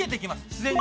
自然に。